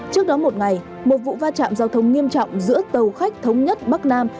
trước đó một ngày một vụ va chạm giao thông nghiêm trọng giữa tàu khách thống nhất bắc nam